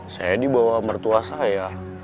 saya dibawa mertua saya